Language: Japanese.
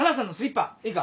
いいか？